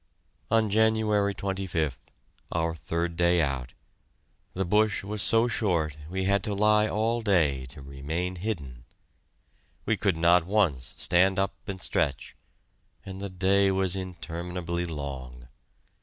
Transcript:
On January 25th, our third day out, the bush was so short we had to lie all day to remain hidden. We could not once stand up and stretch, and the day was interminably long.